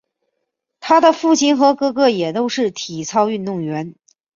她的父亲和哥哥也都是体操运动员。